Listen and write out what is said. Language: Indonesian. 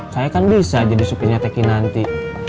saya kan bisa jadi supinya teh kinanti